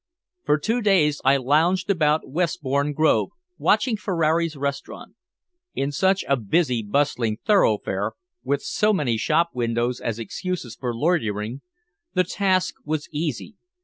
For two days I lounged about Westbourne Grove watching Ferrari's restaurant. In such a busy, bustling thoroughfare, with so many shop windows as excuses for loitering, the task was easy.